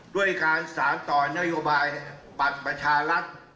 ด้วยการสารต่อนโยบายบัตรประชารัฐ